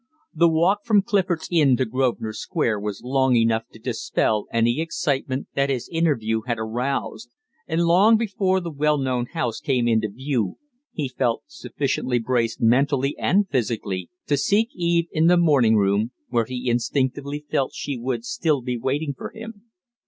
The walk from Clifford's Inn to Grosvenor Square was long enough to dispel any excitement that his interview had aroused; and long before the well known house came into view he felt sufficiently braced mentally and physically to seek Eve in the morning room where he instinctively felt she would still be waiting for him.